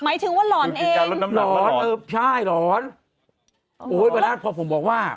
หมายถึงว่าหลอนเอง